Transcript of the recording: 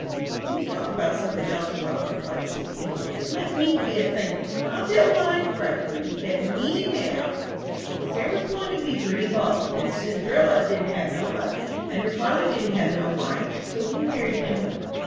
"You talk about something else a while," replied Susy, "and let me be a thinkin'." "I'll tell one," cried Prudy, "let me, now." "Once there was goin' to be three balls, and Cindrilla didn't have no mother, and her father didn't have no wife, so he married him one.